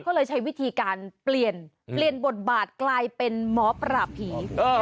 ก็เลยใช้วิธีการเปลี่ยนเปลี่ยนบทบาทกลายเป็นหมอปราบผี